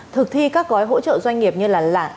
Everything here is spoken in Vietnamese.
thực thi các gói hỗ trợ doanh nghiệp như là giảm lãi suất vay